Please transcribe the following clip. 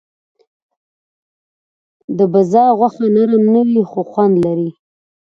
د بزه غوښه نرم نه وي، خو خوند لري.